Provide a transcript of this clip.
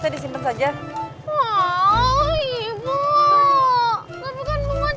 nanti uang jajan kamu tambahin